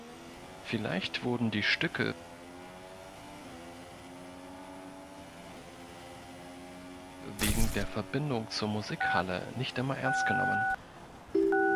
Vielleicht wurden die Stücke wegen der Verbindung zur Musikhalle nicht immer ernstgenommen.